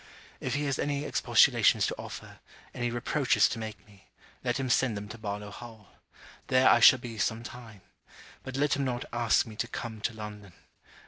If he has any expostulations to offer, any reproaches to make me, let him send them to Barlowe Hall. There I shall be some time. But let him not ask me to come to London.